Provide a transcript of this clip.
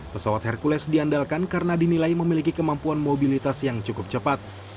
pesawat hercules diandalkan karena dinilai memiliki kemampuan mobilitas yang cukup cepat